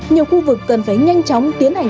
nhiều khu vực cần phải nhanh chóng tiến hành